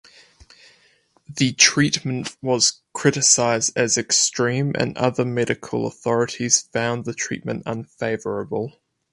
The treatment was criticized as extreme and other medical authorities found the treatment unfavourable.